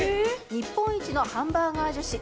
日本一のハンバーガー女子。